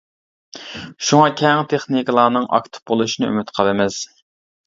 شۇڭا كەڭ تېخنىكلارنىڭ ئاكتىپ بولۇشىنى ئۈمىد قىلىمىز.